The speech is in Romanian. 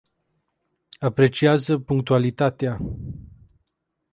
Apreciază punctualitatea.